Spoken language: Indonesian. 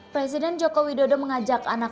presiden joko widodo mengajak anak